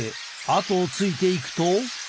後をついていくと。